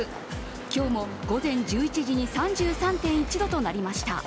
今日も午前１１時に３３．１度となりました。